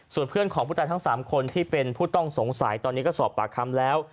ส่วนเพื่อนของผู้ตายทั้ง๓คนที่เป็นผู้ต้องสงสัยตอนนี้ก็สอบปากคำแล้ว